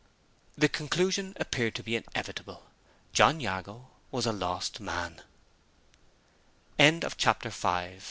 The conclusion appeared to be inevitable. John Jago was a lost man. CHAPTER VI. THE LIME